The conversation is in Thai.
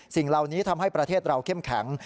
สิ่งเหล่านี้ทำให้ประเทศเราเข้มแข็ง